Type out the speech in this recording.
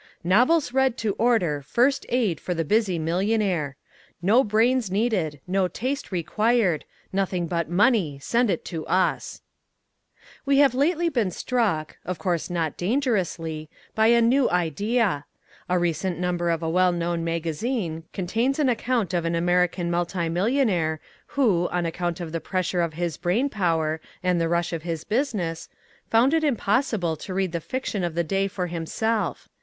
] NOVELS READ TO ORDER FIRST AID FOR THE BUSY MILLIONAIRE NO BRAINS NEEDED NO TASTE REQUIRED NOTHING BUT MONEY SEND IT TO US We have lately been struck, of course not dangerously, by a new idea. A recent number of a well known magazine contains an account of an American multimillionaire who, on account of the pressure of his brain power and the rush of his business, found it impossible to read the fiction of the day for himself.